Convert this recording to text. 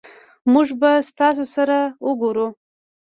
مونږ به ستاسو سره اوګورو